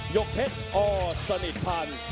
ยกเพชรอสนิทพันธ์